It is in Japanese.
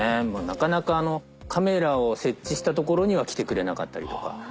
なかなかカメラを設置した所には来てくれなかったりとか。